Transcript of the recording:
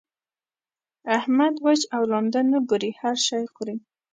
احمد؛ وچ او لانده نه ګوري؛ هر شی خوري.